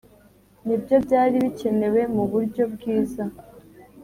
ni byo byari bikenewe mu buryo bwiza